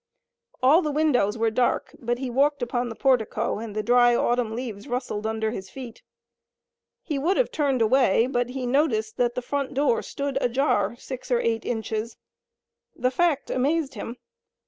All the windows were dark, but he walked upon the portico and the dry autumn leaves rustled under his feet. He would have turned away, but he noticed that the front door stood ajar six or eight inches. The fact amazed him.